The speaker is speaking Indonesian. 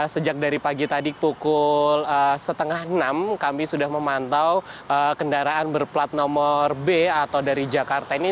sejak dari pagi tadi pukul setengah enam kami sudah memantau kendaraan berplat nomor b atau dari jakarta ini